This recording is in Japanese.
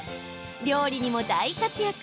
料理にも大活躍。